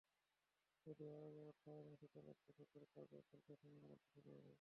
Saudi আরবের অর্থায়নে শীতলক্ষ্যা সেতুর কাজও স্বল্প সময়ের মধ্যে শুরু হবে।